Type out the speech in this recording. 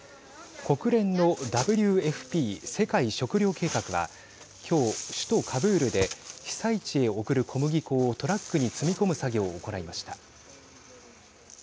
国連のＷＦＰ＝世界食糧計画はきょう、首都カブールで被災地へ送る小麦粉をトラックに積み込む作業を行いました。